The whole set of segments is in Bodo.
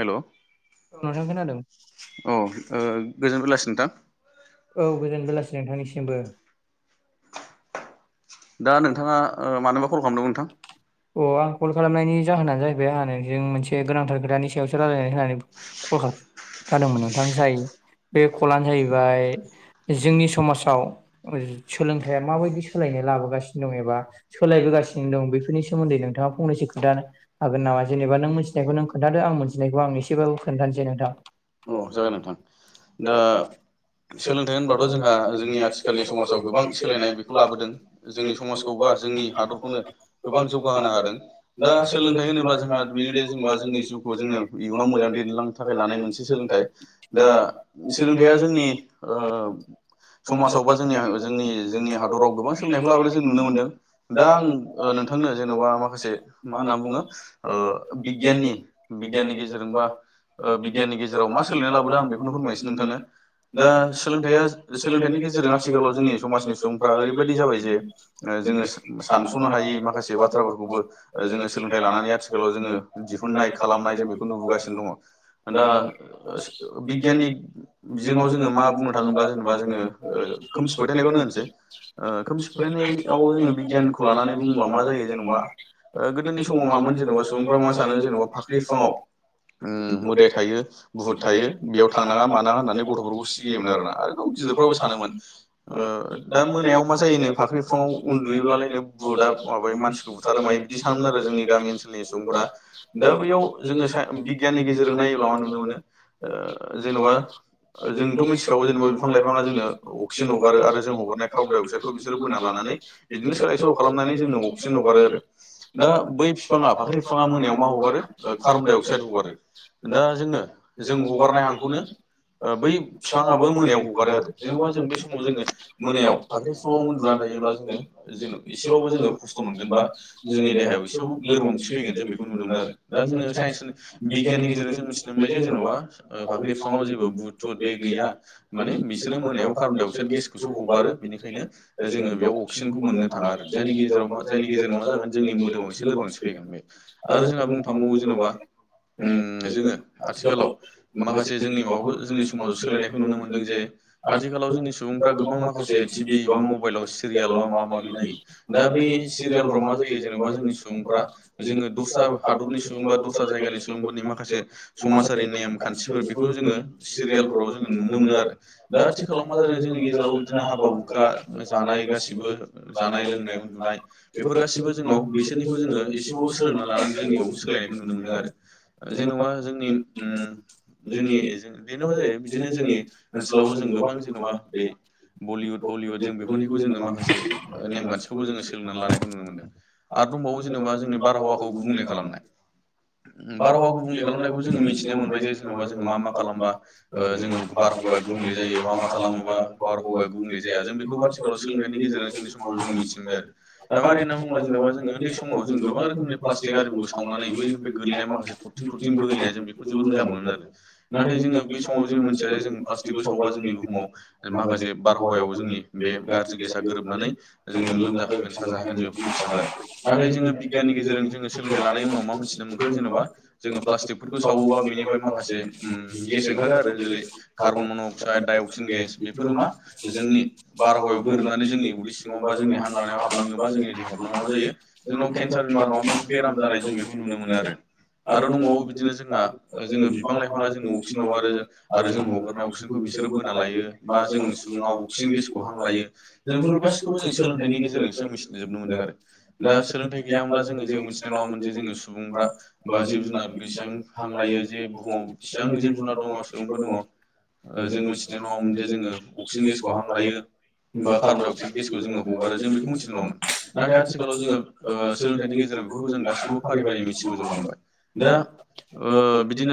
हेल' औ ओ गोजोनबेलासि नोंथां औ गोजोन बेलासि नोंथांनिसिमबो दा नोंथाङा ओ मानोबा कल खामदोंमोन नोंथां? अ आं कल खालामनायनि जाहोनानो जाहैबाय आंहा नोंजों मोनसे गोनांथार खोथानि सायावसो रायलायनो होननानै कल खाम जादोंमोन नोंथां जाय बे कलानो जाहैबाय जोंनि समाजाव सोलोंथाइ माबायदि सोलायनाय लाबोगासिनो दं एबा सोलायबोासिनो दं बेफोरनि सो मोनदै नोंथाङा फंनैसो [unintelligible] हागोन नामा जेनेबा नों मोनथिनायखौ नों खोनथादो आं मोनथिनायखौ आं एसेबाबो खोनथानोसै सै नोंथां औ जागोन नोंथां दा सोलोंथाइ होनब्लाथ' जोंहा जोंनि आथिखालनि समाजाव गोबां सोलायनाय बे खौ लाबोदों जोंनि समाजखौ बा जोंनि हादरखौनो गोबां जौगाहोनो हादों दा सोलोंथाइ होनोब्ला जोंहा बेनो दे जेनबा जोंनि जिउखौ जोङो इयुनाव मोजां दै- देनलांनो थाखाय लानाय मोनसे सोलोंथाइ दा सोलोंथाइया जोंनि ओ समाजावबा जोंनि जोंनि जोंनि हा- दराव गोबां सोलोंथायखौ लाबोनाय जों नुनो मोनदों दा आं ओ नोंथांनो जेन'बा माखासे मा होनना बुङो ओ बिगियाननि बिगियाननि गेजेरजों बा ओ बिगियाननि गेजेराव मा सोलायनाय लाबोदों आं बेखौनो फोरमायनोसै नोंथांनो दा सोलोंथाइया सोलोंथाइनि गेजेरजों आथिखालाव जोंनि समाजनि सुबुं- फोरा ओरैबायदि जाबाय जे ओ जोङो सानस'नो हायै माखासे बाथ्राफोरखौबो ओ जोङो सोलोंथाइ लानानै आथिखालाव जोङो दिहुननाय खालामनाय जों बेखौनो नुगासिनो दङ दा ओ बिगियाननि बिजोङाव जोङो मा बुंनो थाङोब्ला जेनबा जोङो ओ खोमसि फोथायनायखौनो होननोसै खोमसि फोथायनायाव जोङो बिगियानखौ लानानै बुंङोबा मा जायो जेनबा ओ गोदोनि समाव मामोन जेनबा सुबुंफ्रा मा सानो जेनबा फाख्रि फिफाङाव उम मोदाइ थायो बुहुद थायो बेयाव थांनाङा मानाङा होननानै गथ'फोरखौ सिगियोमोन आरोना आरो गाव- गिदिरफ्राबो सानोमोन दा मोनायाव मा जायोनो फाख्रि फिफाङाव उन्दुयोब्लालायनो बुदा माब- मानसिखौ बुथारो मायो बिदि सानोमोन आरो जोंनि गामि ओनसोलनि सुबुंफोरा दा बैयाव जोङो सा बिगियाननि गेजेरजों नायोब्ला मा नुनो मोनो जेनबा जोंथ' मोनथिखागौ जेनेबा बिफां लाइफाङा जोंनो अक्सिजेन हगारो आरो जों हगारनाय कार्बन डाइ अक्साइदखौ बिसोरो बोना लानानै बिदिनो सोलाय सोल' खालामनानै जोंनो अक्सिजेन हगारो आरो दा बै फिफाङा फाख्रि फिफाङा मोनायाव मा हगारो कार्बन डाइ अक्साइड हगारो दा जोङो जों हगारनाय हांखौनो बै फिफाङाबो मोनायाव हगारो आरो जेनबा जों बे समाव जोङो मोनायाव फा- ख्रि फिफाङाव उन्दुनानै थायोब्ला जोङो जेन' एसेबाबो जोङो खस्थ मोनगोन बा जोंनि देहायाव एसेबाबो लोरबांथि फैगोन जों बेखौ नुनो मोनो आरो दा जोङो साइन्स बि- बिगियाननि गेजेरजों जों मिनथिनो मोनबाय जे जेन'बा फाख्रि बिफाङाव जेबो बुद थुुद बे गैया माने बिसोरो मोनायाव कार्बन डाइ अक्साइड गेसखौसो हगारो बेनि- खायनो जोङो बेयाव अक्सिजेनखौ मोननो थाङा आरो जायनि गेजेराव मा- जायनि गेजेरजों मा जागोन जोंनि मोदोमाव एसे लोरबांथि फैगोन बे आरो जोंहा बुंनो थांबावो जेन'बा उम जोङो आथिखालाव माखासे जोंनि माबाखौ जोंनि समाजाव सोलायनायखौ नुनो मोनदों जे आथिखालाव जोंनि सुबुंफ्रा गोबां माखासे टिभि बा मबाइलाव सिरियाल बा माबा माबि नायो दा बे सिरियालफ्राव मा जायो जेनबा जोंनि सुबुंफ्रा जोङो दस्रा हादरनि सुबुं बा दस्रा जायगानि सुबुंफोरनि माखासे समाजारि नेम खान्थिफोर बेखौ जोङो सिरियालफोराव जोङो नुनो मोनो आरो दा आथिखालाव मा जादों जोंनि गेजेराव बिदिनो हाबा हुखा जानाय गासिबो ओ जानाय लोंनाय उन्दुनाय बेफोर गासिबो जोंनाव बिसोरनिखौ जोङो एसेबाबो सोलोंनान लानानै जोंनियावबो सोलायनायखौ नुनो मोनदों आरो जों- जेन'बा जोंनि उम जोंनि जों बेयावनो माजायो बिदिनो जोंनि ओनसोलावबो जों गोबां जेन'बा बे बलिउड हलिउद जों बेफोरनिखौ जोङो माखासे नेमखान्थिखौबो जोङो सोलो- नानै लानायखौ नुनो मोनदों आरो दंबावो जेनेबा जोंनि बारहावाखौ गुबुंले खालामनाय उ बारहावा गुबुंले खालामनायखौबो जोङो मिथिनो मोनबाय जे जेन'बा जोङो मा मा खालामबा जोङो बार- हावाया गुबुंले जायो मा खालामोबा बारहावाया गुबुंले जाया जों बेखौबो आथिखालाव सोलोंथायनि गेजेरजों जोंनि समाजाव जोङो मिथिनो मोनबाय आरो दा मारै होनना बुंङोब्ला जेनबा जोङो उन्दै समाव गोबां रोखोमनि प्लास्टिक आरिफोरखौ सावनानै बैनिफ्राय गोलैनाय माखासे थरथिं बोहैनाय जों बेखौ जोबोद मोजां मोनोमोन आरो नाथाय जोङो बै समाव जेबो मोनथिया जे जों प्लास्टिकखौ सावोब्ला जोंनि बुहुम- माव माखासे बारहावायाव जोंनि बे गारजि गेसा गोरोबनानै जोङो लोमजाहोगोन साजाहोगोन जों बेखौ मिनथियामोन आरो नाथाय जोङो बिगियाननि गेजेरजों जोङो सोलोंथाइ लानायनि उनाव मा मोनथिनो मोनखो जेन'बा जोङो प्लास्टिकफोरखौ सावोबा बेनिफ्राय माखासे उम गेस ओंखारो आरो जेरै carbon monoxide dioxide gas बेफोरो मा जोंनि बारहावायाव गोरोबनानै जोंनि उदै सिङाव बा जोंनि हां लाना- याव हाबलाङोबा जोंनि दैहायाव हाबलाङोबा मा जायो जोंनाव केन्सार बेमार माबा माबि बेराम जानाय जों बेखौ नुनो मोनो आरो आरो दंबावो बिदिनो जोंहा जोङो बिफां लाइफाङा जोङो अक्सिजेन हगारो आरो जों हगारनाय अक्सिजेनखौ बिसोरो बोना लायो बा जोंनि सुबुङा अक्सिजेन गेसखौ हां लायो जों बेफोर गासिखौबो जों सोलोंथनि गेजेरजों मिथि जोबनो मोनदों आरो दा सोलोंथाइ गैयामोनब्ला जोङो जेबो मिथिनाय नङामोन जे जोङो सुबुंफ्रा बा जिब जुनार बेसेबां हांलायो जे बुहुमाव बेसिबां जिब जुनार दङ सुबुंबो दङ जों मिथिनाय नङामोन जे जोङो अक्सिजेन गेसखौ हां लायो होनबा कार्बनडाइ अक्साइडेसखौ जो हगारो जों बेखौ मिथिनो नङामोन ना आथिखालाव जोङो सोलोंथाइनि गेजेर बेफोरखौ जों गासिखौबो फारि फारि मिथि बोजोबनो बिनो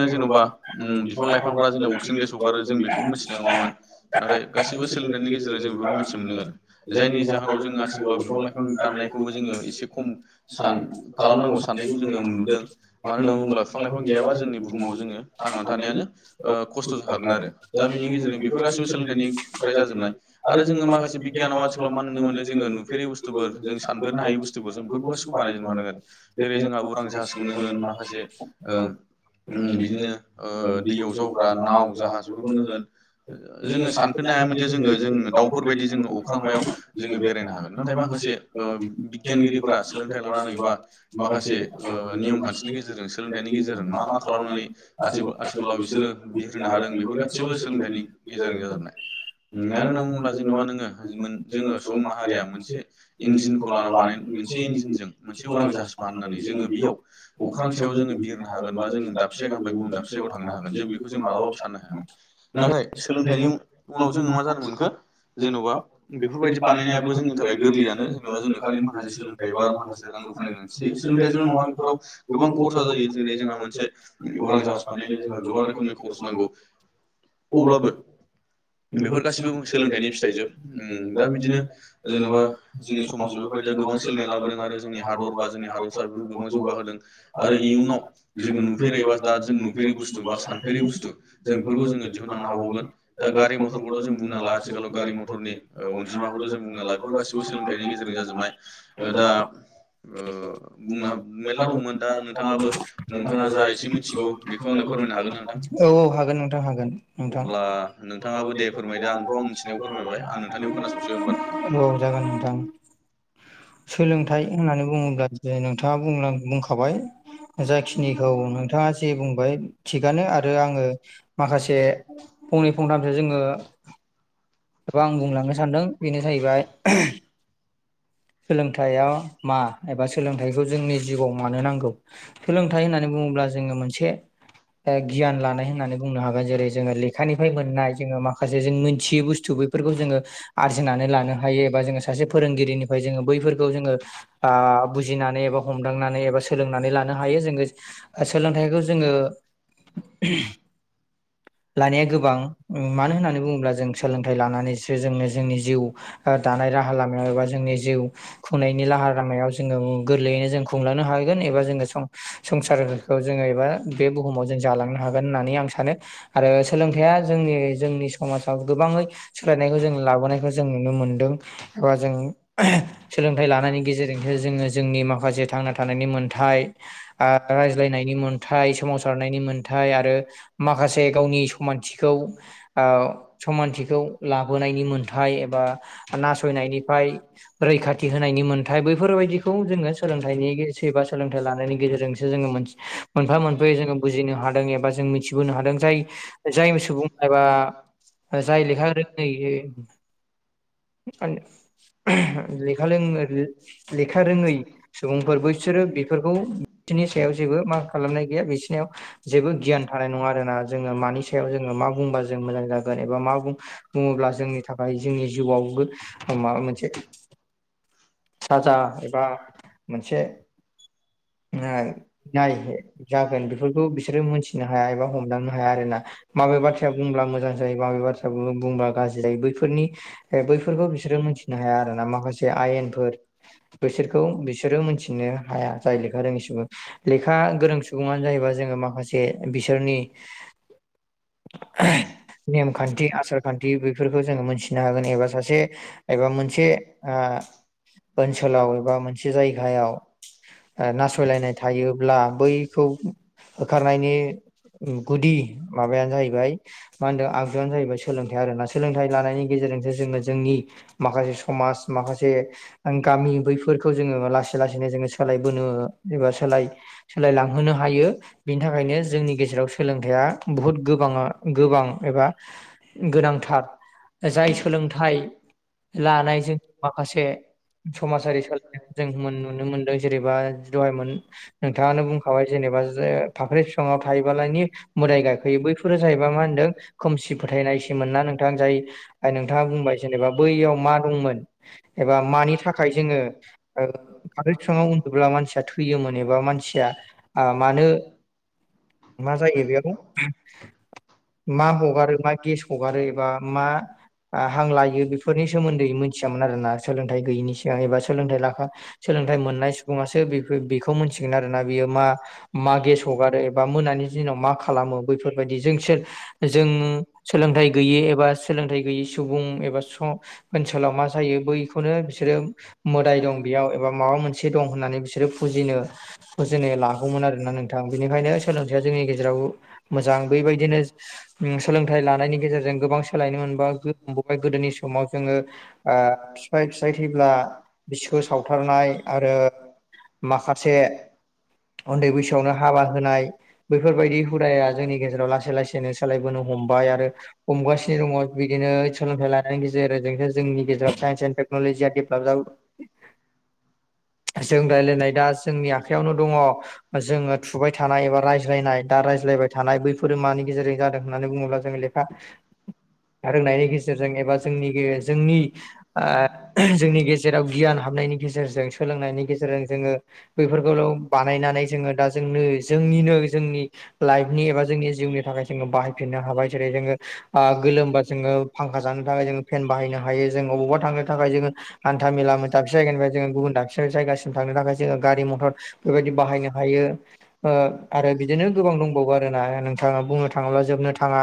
जेन'बा बिफां लाइफां फोरा अकसिजे गेस हगारो जों बियो मिथिनाय नडामोन नाथाय गासैबो सोलोंथाइनि गेजेराव जों मिथिमोनो जायनि जाहोनाव जों आथिखालाव बिफां लाइफां दाननायखौबो जोङो एसे खम सान खालामनांगौ साननायखौ जोङो नुनो मोनो न मानो होननानै बुोब्ला बिफां लाइफां गैयाबा जोंनि बुहुमाव जोङो थांनानै थानायानो खस्थ' जाखागोन आरो दा बेनि गेजेरजों बेफोर गासिबो सोलोंथाइनिफ्राय जाजोबनाय आरो जोङो माखासे बिगियानाव आथिखालाव म ननो मोन जो नुफेरै बुसथुफोर जों सानफेरनो हायै बुसथुफोर जेरै बेफोरखौ गसिखौ बानायनो हानांगोन जेरै जोंहा जाहाजखौनो होन माखासे बिदिनो दैयाव जावग्रा नाव जाहाज बेफोरखौनो होन जोङो सानफेरननो हायामोन जों जों दाउफोरबायायदि जोङो अख्रांमायाव जोङो बेरायनो हागोन नाथाय माखासे बिगियानगिरिफोरा सोलोंथाइ लानानै बा माखासे नियम खान्थिनि गेजेरजों सोलोंथाइनि गेजेरजों मा मा खालामनानै आ आथिखालाव बिसोरो बिरहोनो हादों बेफोर गासिबो सोलोंथाइनि गेजेरजों जाजोबनाय ना आरो मा [inaudible] जेनङा नोङोमोन जोङो सुबुं माहारिया मोनसे इन्जिनखौ ला बानाय मोनसे इन्जिनजों मोनसे उरां जाहाज बा होननानै जों जोङो बेयाव अख्रां सायाव जो बिरनो हागोना जों दाबसे जायगायाव गुबुन दाबसेायगायाव थांनो हागोन जों बे जों माबा साननो हायामोन नाथाय सोलोंथाइनि उनाव जोङो मा जानो मोनखो जेन'बा बेफोरबायदि बानायनायाबो जोंनि थाखाय गोरलैयानो जेनेबा जोंनो खालि माखासे सोलोंथाइ बा माखासे रां रुफानायानि गोनांथि सोलोंथाइ' नङा बेफोराव गोबां खरसा जायो जेरै जोंहा मोनसे अरां जाहाज बानाय जोंहा गोबां रोखोमनि स नांगौ अहाबो बेफोर गासिबो सोलोंथाइनि फिथाइजोब दा बिदिनो जेनेबा जोंनि समाजाव बेफोरबायदिया गोबां सोलोंनाय लाबोदों आरो जोंनि हादर बा जोंनि हादरसा गोबां जौगा होदों आरो इयुनाव जोङो नुफेरै एबा दा जों नुफेरै बुस्थु बा सानफेरै बुस्थु जों बेफोरखौ जोङो दिहुनलांनो हाबावगोन दा गारि मथरखौथ' जों बुंनांला आथिखालाव गारि मथरनि अनजिमाखौथ' जों बुंनांला बेफोर गासिबो सोलोंथाइनि गेजेरजों जाजोबनाय दा बुंनो मेरला दंमोन दा नोंथाङाबो नोंथाङा जा एसे मिथिगौ बेखौ आंनो फोरमायनो हागोन ना नोंथां अब्ला नोंथाङाबो दे फोरमायदो आंथ' आं मिथिनायाव फोरमायबाय आं औ जागोन नोंथां सोलोंथाइ होननानै बुङोब्ला जे नोंथाङा बुंखाबाय जायखिनिखौ नोंथाङा माखासे बुंबाय थिगानो आरो आङो माखासे फंनै फंथामसो जोङो एबा आं बुंलांनो सानदों बेनो जाहैबाय सोलोंथाइयाव मा एबा सोलोंथाइखौ जोंनि जिउआव मानो नांगौ सोलोंथाइ होननानै बुङोब्ला जोङो मोनसे गियान लानाय होननानै बुंनो हागोन जेरै जोङो लेखानिफ्राय मोननाय जोङो माखासे जों मिथियै बुस्थुबो बैफोरखौ जोङो आरजिनानै लानो हायो एबा जोङो सासे फोरोंगिरिनिफ्राय जोङो बैफोरखौ जोङो बुजिनानै एबा हमदांनानै एबा सोलोंनानै लानो हायो जोङो सोलोंथाइखौ जोङो लानाया गोबां मानो होननानै बुङोब्ला जों सोलोंथाइ लानानै जों जोंनि जिउ दानाय राहा लामायाव एबा जोंनि जिउ खुंनायनि राहा लामायाव जोङो गोरलैयैनो जों खुंलांनो हागोन एबा जोङो संसारखौ जोङो एबा बे बुहुमाव जों जालांनो होन होन्नानै आं स आरो सोलोंथाइया जोंनि जोंनि समाजाव गोबाङै फोलरायनायखौ जों लाबोनायखौ जों नुनो मोनदों एबा जों सोलोंथाइ लानायनि गेजेरजोंसो जों जोङो जोंनि माखासे थांना थानायनि मोन्थाय रायज्लायनायनि मोन्थाय सोमावसारनायनि मोनथाय आरो माखसे गावनि समानथिखौ समानथिखौ लाबोनायनि मोनथाय एबा नासयनायनिफ्राय रैखाथि होनायनि मोन्थाय बैफोरबायदि खौ जों सोलोंथाय एबा सोलोंथाय लानायनि गेजेरजोंसो जों मोनफा मोनफायै जोङो बुजिनो एबा जों मिथिबोनो हादों जाय जाय सुबुं एबा जाय लेखा [unintelligible] लेखा लेखा रोङै सुबुंफोर बैसोरो बेफोरखौ बिसोरनि सायाव जेबो मा खालामनाय गैया बिसोरनियाव जेबो गियान थानाय नङा आरोना जों मानि सायाव जोङो मा बुंबा जों मोजां जागोन एबा मा बुं बुङोब्ला जोंनि थाखाय जोंनि जिउआवबो माबा मोनसे साजा एबा मोनसे नाय जागोन बेफोरखौ बिसोरो मोनथिनो हाया एबा हमदांनो हाया आरो ना माबे बाथ्राया बुंब्ला मोजां जायो माबे बाथ्राया बुंब्ला गाज्रि जायो बैफोरनि बैफोरखौ बिसोरो मिथिनो हाया आरोना माखासे आयेनफोर बिसोरखौ बिसोरो मोनथिनो हाया जाय लेखा रोंङै सुबुं लेखा गोरों सुबुंआनो जाहैबाय जोङो माखासे बिसोरनि नेमखान्थि आसार- खान्थि बेफोरखौ जोङो मोनथिनो हागोन एबा सासे एबा मोनसे ओ [unintelligible] नासयलायनाय थायोब्ला बैखौ होखारनायनि गुदि माबायानो जाहैबाय मा होनदों आगजुआनो जाहैबाय सोलोंथाइ आरो ना सोलोंथाइ लानायनि गेजेरजोंसो जोङो जोंनि माखासे समाज माखासे गामि बैफोरखौ जोङो लासै लासैनो जोङो सोलायबोनो सोलायलांहोनो हायो बेनि थाखायनो जोंनि गेजेराव सोलोंथाइया बुहुद गोबाङा गोबां एबा गोनांथार जाय सोलोंथाइ लानायजों माखासे समाजारि सोलायनायखौ जों नुनो मोनदों जेनेबा दहायमोन नोंथाङानो बुंखाबाय जेनेबा जेनेबा जे‌ फाख्रि बिफाङा थायोबा लायनो मोदाइ गाखोयो बैफोर जाहैबाय मा‌ होनदों खोमसि फोथायनायसोमोनना नोंथां जाय नोंथाङा बुंबाय जेनेबा बैयाव मा दंमोन एबा मानि थाखाय जोङो फाख्रि बिफांआव उन्दोब्ला मानसिया थैयोमोन एबा मानसिया मानो मा जायो बेयाव मा हगारो मा गेस हगारो एबा मा हां लायो बेफोरनि सोमोन्दै मिथियामोन आरोना सोलोंथाइ गैयिनि सिगां एबा सोलोंथाइ लाखा सोलोंथाइ मोननाय सुबुङासो बेखौ मोनथिगोन आरोना बियो मा मा गेस हगारो एबा मोनानि दिनाव मा खालामो बै- -फोरबायदि ज ज सोलोंथ गैै एबा सोलोंथ गैयै सुबुं एबा ओनसोलाव मा जायो बैखौनो बिसोरो मोदाय दं बेयाव एबा माबा मोनसे दं होननानै बिसोरो फुजिनो फुजिनो लागौमोन आरोना नोंथां बेनिखायनो सोलोंथाइया जोंनि गेजेराव मोजां बेबायदिनो सोलोंथाइ लानायनि गेजेरजों गोबां सोलायनो मोनबााय गोदोनि समाव जोङो ओ फिफाय फिसाय थैब्ला बिसिखौ सावथारनाय आरो माखासे उन्दै बैसोआवनो हाबा होनाय बेफोरबायदि हुदाया जोंनि गेजेराव लासै लासैनो सोलायबोनो हमबाय आरो हमगासिनो दङ बिदिनो सोलोंथाइ लानायनि गेजेर जोंसो जोंनि गेजेराव साइन्स एन्ड टेक्न'लजिया डेभेलप जाबोबाय जों रायज्लायनाय दा जोंनि आखाइयावनो दङ जोङो थुबाय थानाय एबा रायज्लायनाय दा रायज्लायबाय थानाय बैफोरो मानि गेजेरजों जादों होननानै बुङोब्ला जोंङो लेखा रोंनायनि गेजेरजों एबा जोंनि जोंनि ओ जोंनि गेजेराव गियान हाबनायनि गेजेरजों सोलोंनायनि गेजेरजों जोङो बेैफोरखौल' बानायनानै जोङो दा जोंनो जोंनिनो जोंनि लाइफनि एबा जोंनि जिउनि थाखाय जो बाहायफिननो‌ हाबाय जेरै जोङो ओ गोलोमबा जोङो फांखा जानो थाखाय जोङो फेन- बायनो हायो जों बबावबा थांनो थाखाय जोङो हानथा मेला मोन दाबसे जायगानिफ्राय जोङो गुबुन दाबसे जायासिम थांनो थाखाय गारि मथर बेबायदि बाहायनो हायो ओ आरो बिदिनो गोबां दंबावो आरोना नोंथाङा बुंनो थाङोब्ला जोबनो थाङा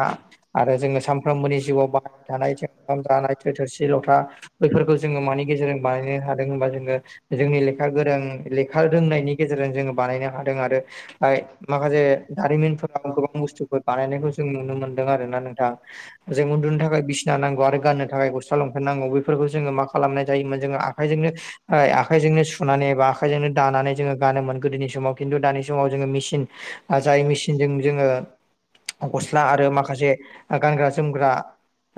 आरो जोङो सानफ्रोमबोनि जिउआव बाहायबाय थानाय जानाय थोरसि ल'था बेफोरखौ जोङो मानि गेजेरजों बानायनो हादों होनबा जोङो जोंनि लेखा गोरों गोरों लेखा रोंनायनि गेजेरजों जोङो बानायनो हादों आरो माखासे दारिमिनफोरा गोबां बुथुफोर बानायनायखौ जों नुनो मोनदों आरो ना नोंथां जों उनदुनो थाखाय बिसिना नांगौ गाननो थाखाय ग'स्ला लंफेन नांगौ बेफोरखौ जों मा खालामनाय जायोमोन जोङो आखाइजोंनो सुना जेनेबा आखाइजोंनो दानानै गानोमोन गोदोनि समाव खिनथु दानि समाव जोङो मिसिं जाय मिसिनजों जोङो ग'स्ला आरो माखासे गानग्रा-जोमग्रा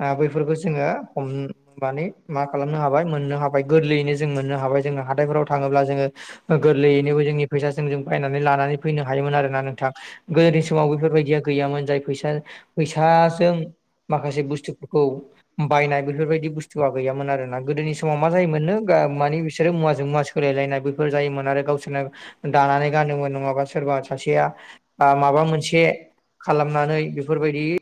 आं बेफोरखौ जोङो जोङो हमनानै मा खालामनो हाबाय मोननो हाबाय गोरलैयैनो जों मोननो हाबाय जोंङो हाथायफोराव थां अब्ला जोङो ओ गोरलैनो जों जोंनि फैसाजों बायनानै लानानै फैनो हायोमोन आरो ना नोंथां गोदोनि समाव बेफोरबायदिया गैयामोन जाय फैसा फैसाजों माखासे बुसथुफोरखौ बायनाय बेफोरबायदि बुसथुया गैयामोन आरोना गोदोनि समाव मा जायोमोननो मानि बिसोरो मुवाजों मुवा सोलाय नाय [unintelligible] जायोन आरो गावसोरनो दानानै गानोमोन नङाबा सोरबा सासेया माबा मोन आस [unintelligible] खालामनानै बेफोरबायदि